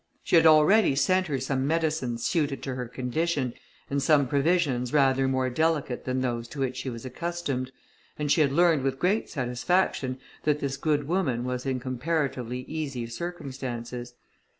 She had already sent her some medicines suited to her condition, and some provisions rather more delicate than those to which she was accustomed, and she had learned with great satisfaction, that this good woman was in comparatively easy circumstances.